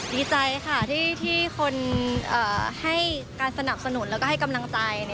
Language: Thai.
ดีใจค่ะที่คนให้การสนับสนุนแล้วก็ให้กำลังใจ